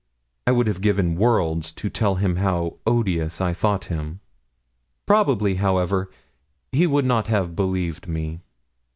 I would have given worlds to tell him how odious I thought him. Probably, however, he would not have believed me.